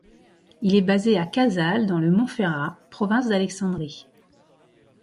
Il est basé à Casal dans le Montferrat, province d'Alexandrie.